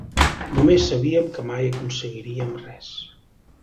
Només sabíem que mai aconseguirien res.